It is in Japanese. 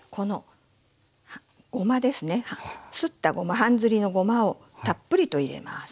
すったごま半ずりのごまをたっぷりと入れます。